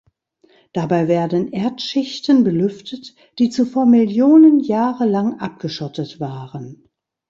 Dabei werden Erdschichten belüftet, die zuvor Millionen Jahre lang abgeschottet waren.